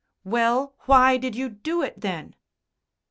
"Well, why did you do it, then?"